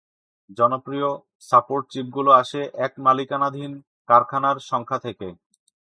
জনপ্রিয় সাপোর্ট চিপগুলো আসে একমালিকানাধীন কারখানার সংখ্যা থেকে।